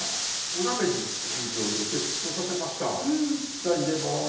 じゃあ入れます。